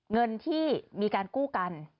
เงินที่มีการกู้กัน